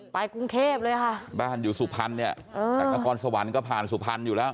กรุงเทพเลยค่ะบ้านอยู่สุพรรณเนี่ยแต่นครสวรรค์ก็ผ่านสุพรรณอยู่แล้ว